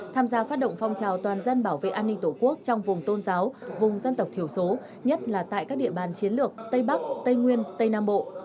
tham gia phát động phong trào toàn dân bảo vệ an ninh tổ quốc trong vùng tôn giáo vùng dân tộc thiểu số nhất là tại các địa bàn chiến lược tây bắc tây nguyên tây nam bộ